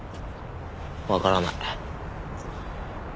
わからない。